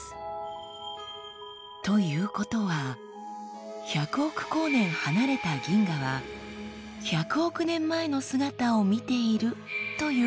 ということは１００億光年離れた銀河は１００億年前の姿を見ているということ。